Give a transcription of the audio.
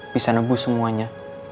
bisa nebus semuanya